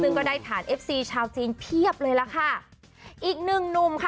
ซึ่งก็ได้ฐานเอฟซีชาวจีนเพียบเลยล่ะค่ะอีกหนึ่งหนุ่มค่ะ